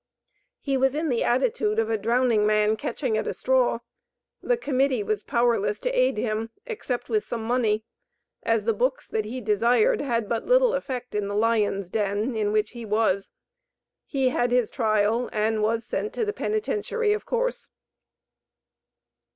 He was in the attitude of a drowning man catching at a straw. The Committee was powerless to aid him, except with some money; as the books that he desired had but little effect in the lions' den, in which he was. He had his trial, and was sent to the penitentiary, of course.